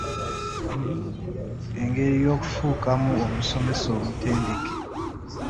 Engeri y'okufuukamu omusomesa omutendeke?